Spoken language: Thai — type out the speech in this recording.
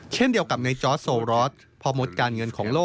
เช่นเดียวกับในจอร์สโซรอสพ่อมดการเงินของโลก